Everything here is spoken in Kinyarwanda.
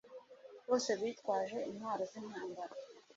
bose bitwaje intwaro z'intambara